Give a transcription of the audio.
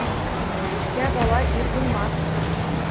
Иркә бала ир булмаҫ.